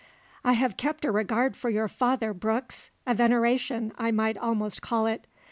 "I have kept a regard for your father, Brooks a veneration, I might almost call it.